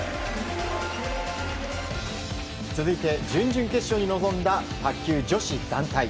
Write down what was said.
続いて、準々決勝に臨んだ卓球女子団体。